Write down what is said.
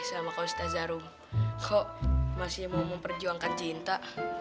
namanya perjuangan cinta